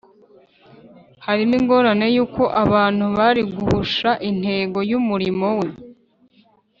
harimo ingorane y’uko abantu bari guhusha intego y’umurimo we